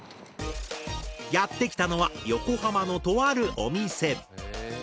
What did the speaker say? やって来たのは横浜のとあるお店。